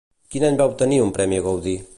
Quin any va obtenir un premi Gaudí?